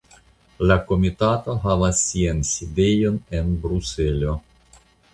La komitato havas sian sidejon en Bruselo.